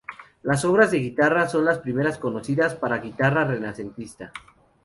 Las obras de guitarra son las primeras conocidas para guitarra renacentista.